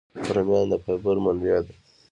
رومیان د فایبر منبع دي